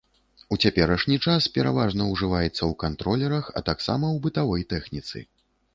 У цяперашні час пераважна ўжываецца ў кантролерах, а таксама ў бытавой тэхніцы.